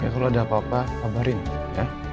kalau ada apa apa kabarin ya